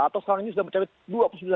atau sekarang ini sudah mencapai